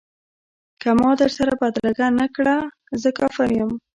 که ما در سره بدرګه نه کړ زه کافر یم.